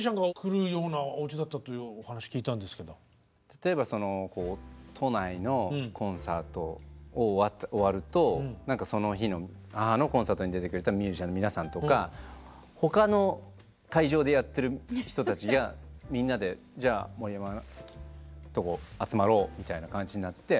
例えば都内のコンサート終わると何かその日の母のコンサートに出てくれたミュージシャンの皆さんとか他の会場でやってる人たちがみんなで「じゃ森山のとこ集まろう」みたいな感じになって。